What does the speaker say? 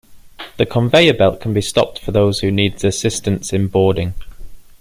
The conveyor belt can be stopped for those who need assistance in boarding.